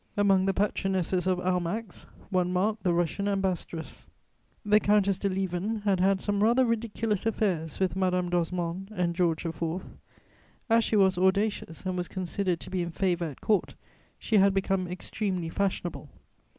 Among the patronesses of Almack's, one marked the Russian Ambassadress. The Countess de Lieven had had some rather ridiculous affairs with Madame d'Osmond and George IV. As she was audacious and was considered to be in favour at Court, she had become extremely fashionable.